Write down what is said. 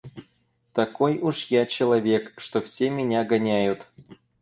Такой уж я человек, что все меня гоняют.